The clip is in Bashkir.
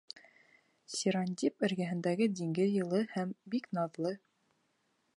Сирандип эргәһендәге диңгеҙ йылы һәм бик наҙлы.